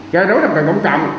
cho đối tượng cộng trọng